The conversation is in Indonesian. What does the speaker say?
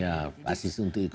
ya pasti untuk itu